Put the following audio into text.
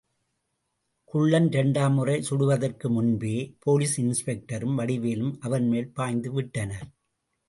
குள்ளன் இரண்டாம் முறை சுடுவதற்கு முன்பே, போலீஸ் இன்ஸ்பெக்டரும், வடிவேலும் அவன் மேல் பாய்ந்துவிட்டனர்.